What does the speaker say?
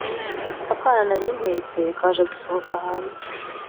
akana nari mpetse kaje gusohoka hanze